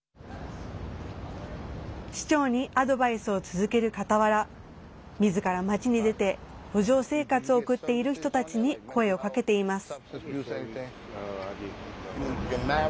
市長に、アドバイスを続ける傍らみずから街に出て路上生活を送っている人たちに声をかけています。